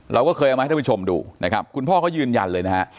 เราก็เคยเอามาให้ท่านผู้ชมดูนะครับคุณพ่อเขายืนยันเลยนะฮะ